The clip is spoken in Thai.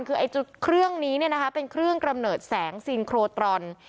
คือไอ้จุดเครื่องนี้เนี่ยนะคะเป็นเครื่องกำเนิดแสงซิงโครตรอน